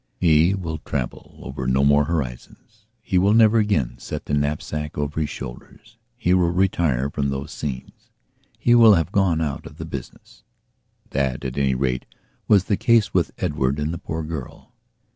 He will travel over no more horizons; he will never again set the knapsack over his shoulders; he will retire from those scenes. He will have gone out of the business. That at any rate was the case with Edward and the poor girl.